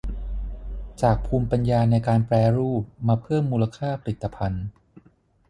จากภูมิปัญญาในการแปรรูปมาเพิ่มมูลค่าผลิตภัณฑ์